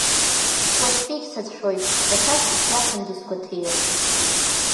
Уаҵәтәигь сацәшәоит, рацәак ишиашамгьы сгәаҭеир…